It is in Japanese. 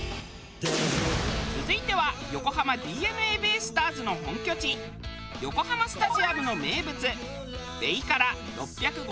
続いては横浜ＤｅＮＡベイスターズの本拠地横浜スタジアムの名物。